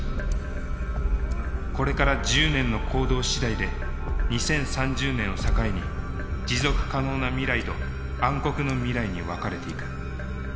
これから１０年の行動次第で２０３０年を境に持続可能な未来と暗黒の未来に分かれていく。